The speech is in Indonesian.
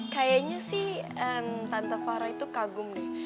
kayanya sih tante farah tuh kagum deh